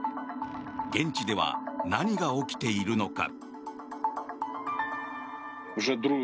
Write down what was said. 現地では何が起きているのか。